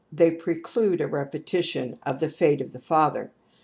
They preclude a repetition of the fate of the father.